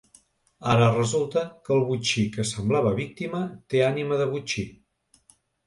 Ara resulta que el botxí que semblava víctima té ànima de botxí.